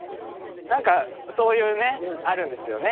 なんかそういうねあるんですよね。